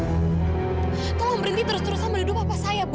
ibu tolong tolong berhenti terus terusan melindungi papa saya bu